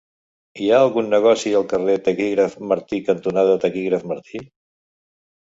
Hi ha algun negoci al carrer Taquígraf Martí cantonada Taquígraf Martí?